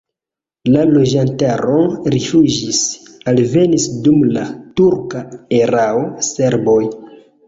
La loĝantaro rifuĝis, alvenis dum la turka erao serboj.